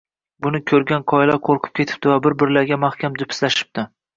Buni ko‘rgan qoyalar qo‘rqib ketibdi va bir-birlariga mahkam jipslashibdi